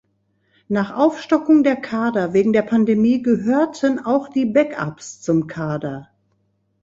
Nach Aufstockung der Kader wegen der Pandemie gehörten auch die Backups zum Kader.